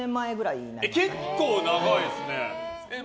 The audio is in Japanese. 結構長いですね。